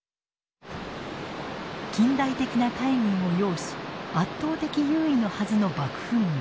近代的な海軍を擁し圧倒的優位のはずの幕府軍。